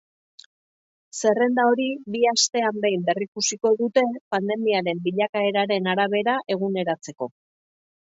Zerrenda hori bi astean behin berrikusiko dute pandemiaren bilakaeraren arabera eguneratzeko.